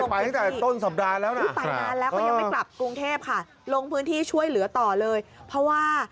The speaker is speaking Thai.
ไปจากต้นสัปดาห์แล้วน่ะฮะอืมฮะฮะฮะ